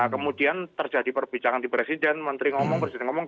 kemudian terjadi perbicaraan di presiden menteri ngomong presiden ngomong